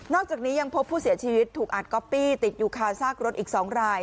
อกจากนี้ยังพบผู้เสียชีวิตถูกอัดก๊อปปี้ติดอยู่คาซากรถอีก๒ราย